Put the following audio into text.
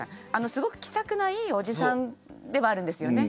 すごく気さくないいおじさんではあるんです。